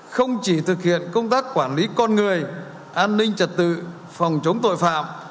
không chỉ thực hiện công tác quản lý con người an ninh trật tự phòng chống tội phạm